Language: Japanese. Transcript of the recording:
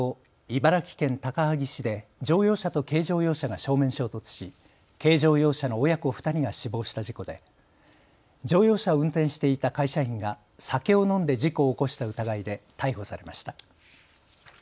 茨城県高萩市で乗用車と軽乗用車が正面衝突し軽乗用車の親子２人が死亡した事故で乗用車を運転していた会社員が酒を飲んで事故を起こした疑いで逮捕されました。